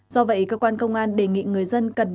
do vậy cơ quan công an đề nghị người dân cần đề cao tinh phi hơn